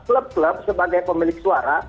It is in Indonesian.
klub klub sebagai pemilik suara